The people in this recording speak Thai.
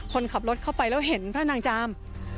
คนขับรถเข้าไปแล้วเห็นพระนางจาม